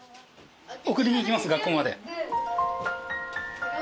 送りに行きます学校まで。